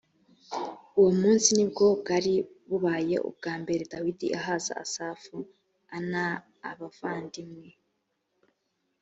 uwo munsi ni bwo bwari bubaye ubwa mbere dawidi ahaza asafu a n abavandimwe